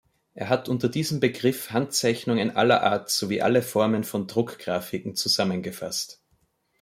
Er hat unter diesem Begriff Handzeichnungen aller Art sowie alle Formen von Druckgraphiken zusammengefasst.